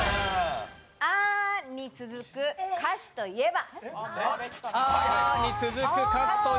「あ」に続く歌詞といえば？